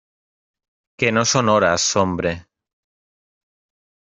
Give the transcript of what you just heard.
que no son horas, hombre.